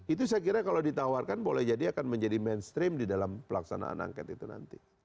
itu saya kira kalau ditawarkan boleh jadi akan menjadi mainstream di dalam pelaksanaan angket itu nanti